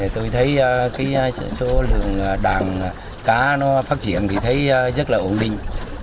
tôi thấy cái số lượng đàn cá nó phát triển thì thấy rất là ổn định